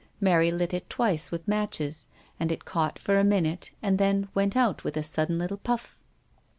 Mary lit it twice with matches, and it caught for a minute, and then went out with a sudden little puff.